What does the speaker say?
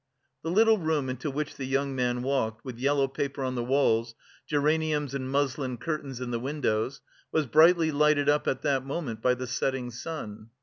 The little room into which the young man walked, with yellow paper on the walls, geraniums and muslin curtains in the windows, was brightly lighted up at that moment by the setting sun.